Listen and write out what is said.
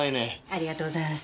ありがとうございます。